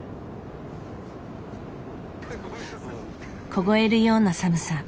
こごえるような寒さ。